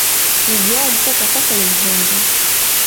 Mji wao mkuu kwa sasa ni Muheza.